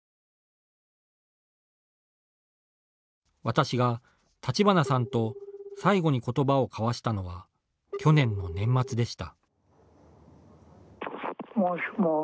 私が立花さんと最後にことばを交わしたのは去年の年末でした。